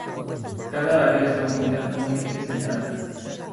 Cada área está unida a un eje central.